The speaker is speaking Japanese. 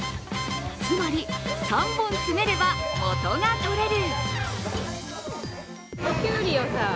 つまり３本詰めれば元が取れる。